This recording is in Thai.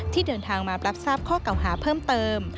เดินทางมารับทราบข้อเก่าหาเพิ่มเติม